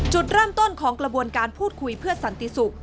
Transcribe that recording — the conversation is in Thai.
จุดเริ่มต้นของกระบวนการพูดคุยเพื่อสันติสุข